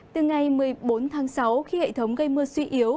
từ ngày một mươi bốn tháng sáu khi hệ thống gây mưa suy yếu